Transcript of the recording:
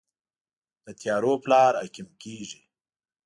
د تیارو پلار عقیم کیږي